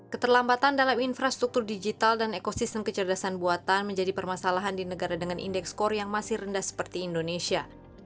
keterlambatan dalam infrastruktur digital dan ekosistem kecerdasan buatan menjadi permasalahan di negara dengan indeks skor yang masih rendah seperti indonesia